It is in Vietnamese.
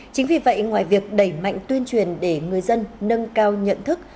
chính vì vậy ngoài việc đẩy mạnh tuyên truyền để người dân nâng cao nhận thức